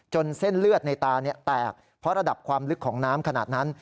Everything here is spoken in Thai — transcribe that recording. เส้นเลือดในตาแตกเพราะระดับความลึกของน้ำขนาดนั้น